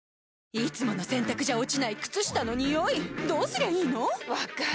いつもの洗たくじゃ落ちない靴下のニオイどうすりゃいいの⁉分かる。